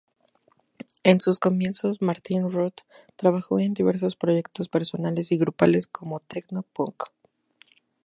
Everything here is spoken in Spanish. En sus comienzos, Martin Roth trabajo en diversos proyectos personales y grupales como "Techno-Punk".